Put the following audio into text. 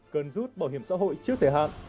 cần rút bảo hiểm xã hội trước thời hạn